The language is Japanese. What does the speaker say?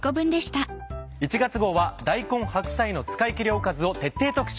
１月号は大根・白菜の使い切りおかずを徹底特集。